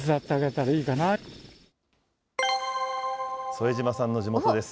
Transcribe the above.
副島さんの地元です。